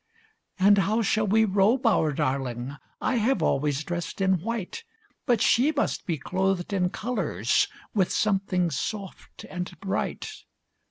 "And how shall we robe our darling? I have always dressed in white! But she must be clothed in colors With something soft, and bright."